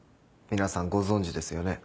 皆さんご存じですよね？